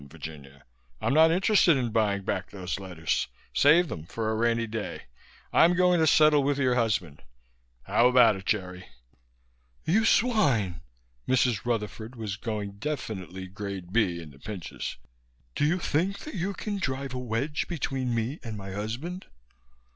Virginia, I'm not interested in buying back those letters. Save them for a rainy day. I'm going to settle with your husband. How about it, Jerry?" "You swine!" Mrs. Rutherford was going definitely Grade B in the pinches. "Do you think that you can drive a wedge between me and my husband?"